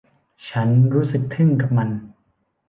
ฉันรู้สึกทึ่งกับมัน